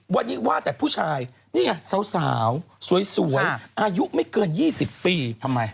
วันนี้ว่าแต่ผู้ชายนี่ไงสาวสวยอายุไม่เกิน๒๐ปีทำไม